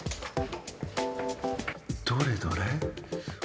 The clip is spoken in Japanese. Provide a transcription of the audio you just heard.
どれどれ？